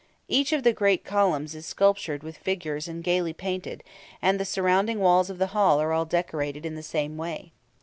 Each of the great columns is sculptured with figures and gaily painted, and the surrounding walls of the hall are all decorated in the same way.